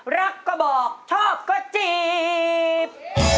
รักก็บอกชอบก็จีบ